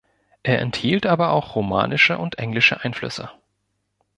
Er enthielt aber auch romanische und englische Einflüsse.